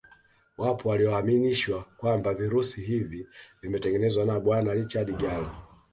Wapo walioaminishwa kwamba virusi hivi vimetengenezwa na Bwana Richard Gallo